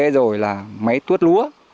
rồi là máy tuốt lúa